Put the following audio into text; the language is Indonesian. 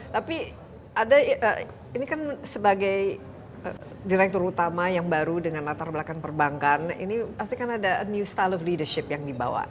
tapi ini kan sebagai direktur utama yang baru dengan latar belakang perbankan ini pasti kan ada new style of leadership yang dibawa